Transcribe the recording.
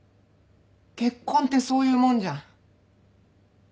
結婚ってそういうもんじゃん